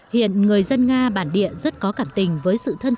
hiện người dân nga bản địa rất có cảm tình với sự thân thiện